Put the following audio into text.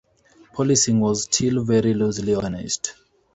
Policing was still very loosely organised.